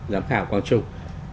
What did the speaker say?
giám khảo quang trung